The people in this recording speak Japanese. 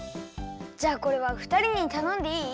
じゃあこれはふたりにたのんでいい？